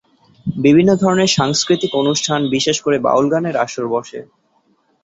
বিভিন্ন ধরনের সাংস্কৃতিক অনুষ্ঠান, বিশেষ করে বাউল গানের আসর বসে।